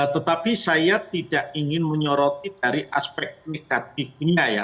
tetapi saya tidak ingin menyoroti dari aspek negatifnya ya